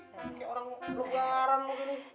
kayak orang berkebaran lo gini